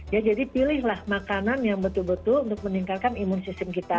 ya jadi pilihlah makanan yang betul betul untuk meningkatkan imun sistem kita